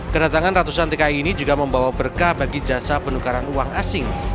kedatangan ratusan tki ini juga membawa berkah bagi jasa penukaran uang asing